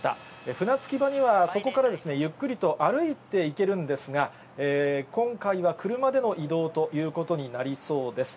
船着き場には、そこからゆっくりと歩いていけるんですが、今回は車での移動ということになりそうです。